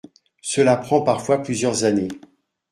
Cela prend parfois plusieurs années.